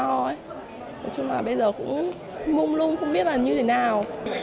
nói chung là bây giờ cũng hung lung không biết là như thế nào